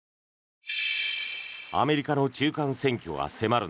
アメリカの中間選挙が迫る